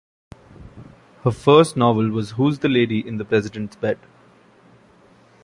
Her first novel was Who's the Lady in the President's Bed?